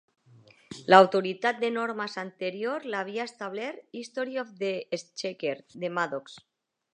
L'autoritat de normes anterior l'havia establert "History of the Exchequer" de Madox.